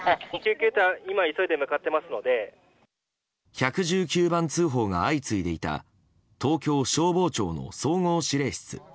１１９番通報が相次いでいた東京消防庁の総合指令室。